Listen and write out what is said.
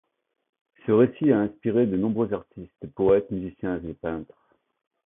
Ce récit a inspiré de nombreux artistes, poètes, musiciens et peintres.